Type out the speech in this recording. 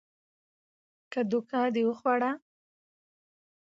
که دوکه دې وخوړه